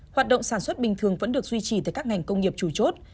hoạt động sản xuất bình thường vẫn được duy trì tại các ngành công nghiệp chủ chốt